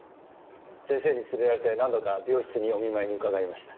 先生に連れられて何度か病室にお見舞いに伺いました。